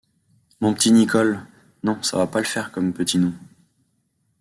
mon petit Nicol Non ça va pas le faire comme petit nom.